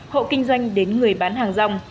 hộ kinh doanh đến người bán hàng dòng